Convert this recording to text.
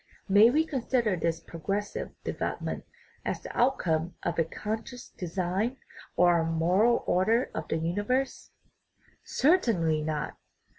May we consider this progressive development as the outcome of a conscious design or a moral order of the universe? Certainly not.